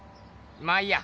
まあいいや。